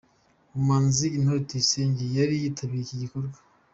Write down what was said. Umuhanzi Intore Tuyisenge yari yitabiriye iki gikorwa.